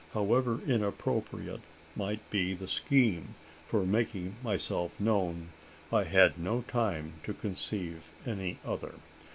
However inappropriate might be the scheme for making myself known, I had no time to conceive any other.